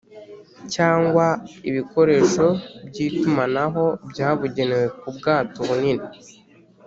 cyangwa ibikoresho by’ itumanaho byabugenewe ku bwato bunini;